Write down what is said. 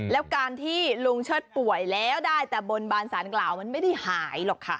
แล้วการที่ลุงเชิดป่วยแล้วได้แต่บนบานสารกล่าวมันไม่ได้หายหรอกค่ะ